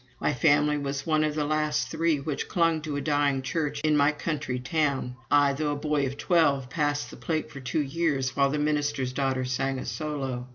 My family was one of the last three which clung to a dying church in my country town. I, though a boy of twelve, passed the plate for two years while the minister's daughter sang a solo.